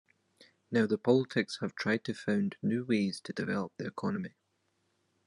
Now the politics have tried to found new ways to develop the economy.